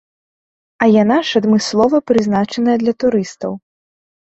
А яна ж адмыслова прызначаная для турыстаў.